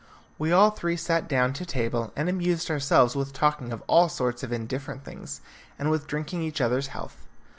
We all three sat down to table and amused ourselves with talking of all sorts of indifferent things, and with drinking each other's health.